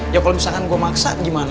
ya kalau misalkan gue maksa gimana